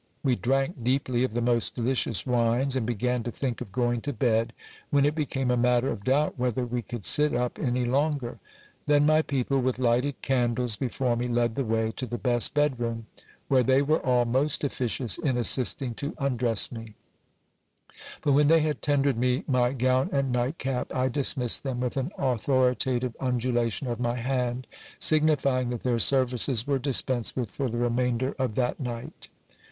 We drank deeply of the most delicious wines, and began to think of going to bed, when it became a matter of doubt whether we could sit up any longer. Then my people, with lighted can dles before me, led the way to the best bed room, where they were all most officious in assisting to undress me : but when they had tendered me my gown and nightcap, I dismissed them with an authoritative undulation of my hand, signifying that their services were dispensed with for the remainder of that night.